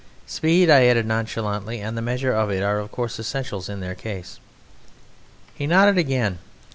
"Speed," I added nonchalantly, "and the measure of it are of course essentials in their case." He nodded again.